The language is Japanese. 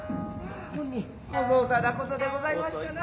ほんにご造作なことでございましたな。